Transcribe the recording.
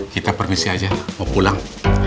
kita permisi aja mau pulang